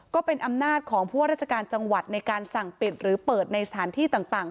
ก็เป็นอำนาจของผู้ว่าราชการจังหวัดในการสั่งปิดหรือเปิดในสถานที่ต่าง